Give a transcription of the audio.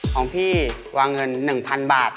ของพี่วางเงิน๑๐๐๐บาท